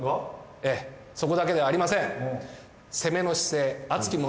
えぇそこだけではありません。